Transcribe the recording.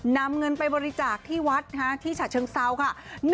นำเงินไปบริจาคที่วัดที่ฉะเชิงเซาค่ะ